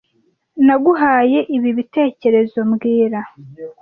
Naguhaye ibi bitekerezo mbwira